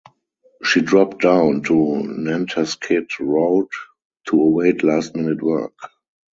She dropped down to Nantasket Road to await last minute work.